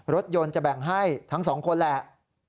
รถยนต์จะแบ่งให้ทั้งสองคนแหละ